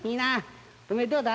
おめえどうだ。